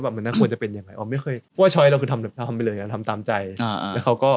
แล้วคุยกันเป็นแบบนานอะ